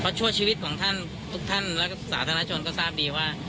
เพราะชั่วชีวิตของท่านทุกท่านแล้วก็สาธารณชนก็ทราบดีว่า